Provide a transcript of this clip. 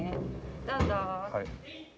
どうぞ。